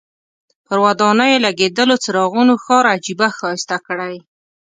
پر ودانیو لګېدلو څراغونو ښار عجیبه ښایسته کړی.